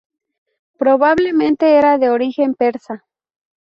Probablemente era de origen persa.